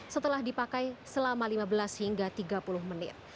setelah dipakai selama lima belas hingga tiga puluh menit